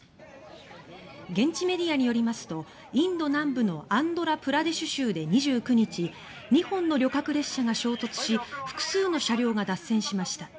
現地メディアによりますとインド南部のアンドラプラデシュ州で２９日２本の旅客列車が衝突し複数の車両が脱線しました。